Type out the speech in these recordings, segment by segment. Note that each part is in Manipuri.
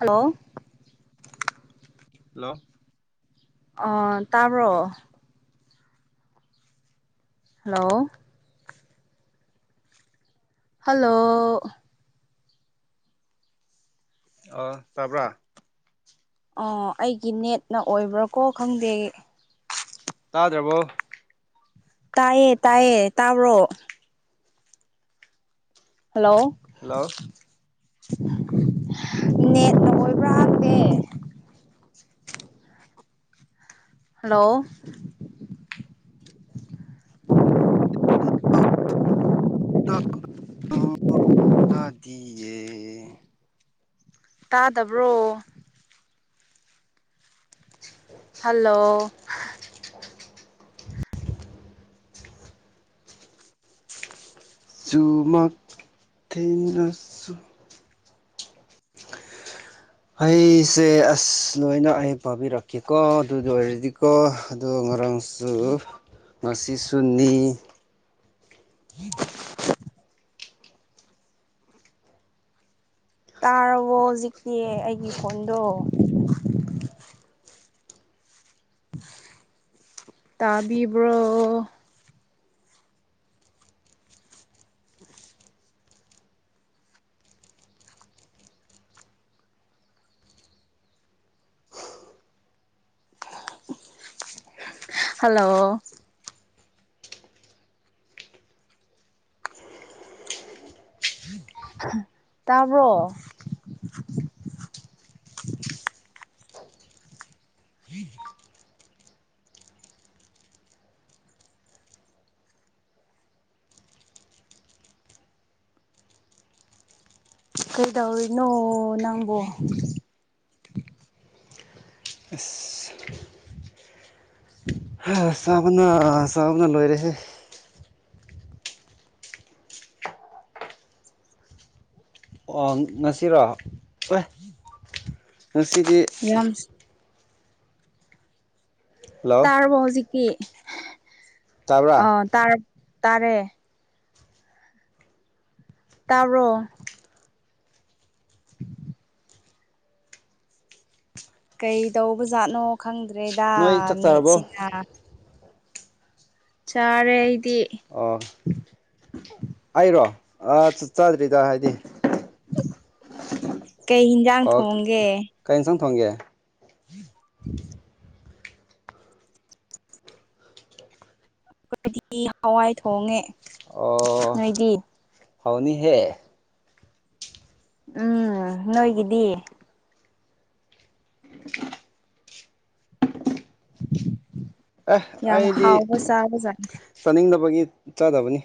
ꯍꯜꯂꯣ ꯍꯜꯂꯣ ꯑ ꯇꯥꯕ꯭ꯔꯣ ꯍꯜꯂꯣ ꯍꯜꯂꯣ ꯑ ꯇꯥꯕ꯭ꯔꯥ ꯑꯣ ꯑꯩꯒꯤ ꯅꯦꯠꯅ ꯑꯣꯏꯕ꯭ꯔꯥꯀꯣ ꯈꯪꯗꯦ ꯇꯥꯗ꯭ꯔꯕꯣ ꯇꯥꯏꯌꯦ ꯇꯥꯏꯌꯦ ꯇꯥꯥꯎ꯭ꯔꯣ ꯍꯜꯂꯣ ꯍꯜꯂꯣ ꯅꯦꯠꯅ ꯑꯣꯏꯣꯏꯕ꯭ꯔꯥ ꯍꯛꯗꯦ ꯍꯜꯂꯣ ꯇꯗꯤꯑ ꯇꯥꯗꯕ꯭ꯔꯣ ꯍꯜꯂꯣ ꯨꯃꯛ ꯊꯦꯡꯅꯁꯨ ꯑꯩꯁꯦ ꯑꯁ ꯂꯣꯏꯅ ꯑꯩ ꯄꯥꯕꯤꯔꯛꯀꯦꯀꯣ ꯑꯗꯨꯗ ꯑꯣꯏꯔꯗꯤꯀꯣ ꯑꯣ ꯃꯔꯣꯔꯪꯁꯨ ꯉꯁꯤ ꯁꯅꯤ ꯇꯥꯔꯕꯣ ꯍꯧꯖꯤꯛꯇꯤ ꯑꯩꯒꯤ ꯀꯣꯟꯗꯣ ꯇꯥꯕꯤꯕ꯭ꯔꯣ ꯍꯜꯂꯣ ꯇꯥꯕ꯭ꯔꯣ ꯀꯩꯗꯧꯔꯤꯅꯣ ꯅꯪꯕꯣ ꯑꯁ ꯆꯥꯕꯅ ꯆꯥꯕꯅ ꯂꯣꯏꯔꯦꯁꯦ ꯑꯣ ꯉꯁꯤꯔꯣ ꯑꯦ ꯉꯁꯤꯗꯤ ꯌꯥꯝ ꯍꯜꯂꯣ ꯇꯔꯔꯕꯖꯤ ꯀꯦ ꯇꯥꯕ꯭ꯔꯥ ꯑ ꯇꯥꯔ ꯇꯥꯔꯦ ꯇꯔꯣ ꯀꯩ ꯇꯧꯕꯖꯥꯠꯅꯣ ꯈꯪꯗ꯭ꯔꯦꯗ ꯅꯣꯏ ꯆꯥꯛ ꯆꯥꯔꯕꯣ ꯅꯦꯠꯁꯤꯅ ꯆꯥꯔꯦ ꯑꯩꯗꯤ ꯑꯣ ꯑꯩꯔꯣ ꯑ ꯆꯠ ꯆꯥꯗ꯭ꯔꯤꯗ ꯍꯥꯏꯗꯤ ꯀꯩ ꯍꯟꯖꯥꯡ ꯊꯣꯡꯒꯦ ꯁꯣꯡꯒꯦ ꯑꯩꯣ [unintelligible] ꯏꯗꯤ ꯍꯋꯥꯏ ꯊꯣꯡꯉꯦ ꯑꯣ ꯅꯣꯏꯗꯤ ꯍꯥꯎꯅꯤ ꯍꯦ ꯎꯝ ꯅꯣꯏꯣꯏꯒꯗꯤ ꯑꯦ ꯌꯥꯝ ꯑꯩꯗꯤ ꯍꯥꯎꯕ ꯆꯥꯕꯖꯥꯠꯅꯤ ꯆꯥꯅꯤꯡꯗꯕꯒꯤ ꯆꯥꯗꯕꯅꯤ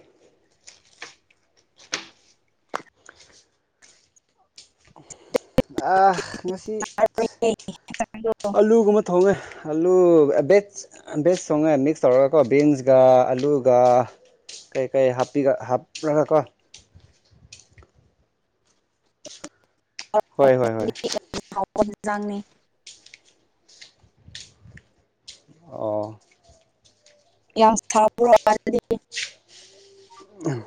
ꯉꯁꯤ ꯑꯂꯨꯒꯨꯝꯕ ꯊꯣꯡꯉꯦ ꯑꯂꯨ ꯚꯦꯖ ꯚꯦꯖ ꯁꯣꯡꯉꯦ ꯃꯤꯛꯁ ꯇꯧꯔꯒꯀꯣ ꯕꯤꯟꯁꯀ ꯑꯂꯨꯒ ꯀꯩꯀꯩꯄꯤ ꯍꯥꯞꯂꯒ ꯀꯣ ꯍꯣꯏ ꯍꯣꯏꯣꯏ ꯑꯣꯖꯥꯡꯅꯤ ꯑꯣ ꯌꯥꯝ ꯁꯥꯕ꯭ꯔꯗꯤ ꯑ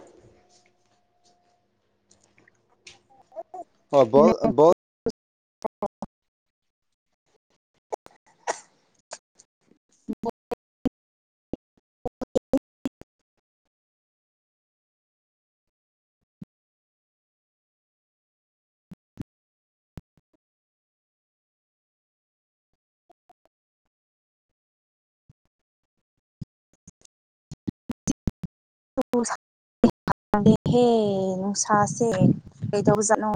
ꯑꯣꯜ ꯃ ꯑꯣ ꯪꯗꯦꯍꯦ ꯅꯨꯡꯁꯥꯁꯦ ꯀꯩꯗꯧꯖꯥꯠꯅꯣ